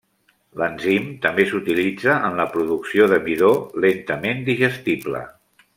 L'enzim també s'utilitza en la producció de midó lentament digestible.